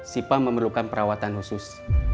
syifa memerlukan perawatan khusus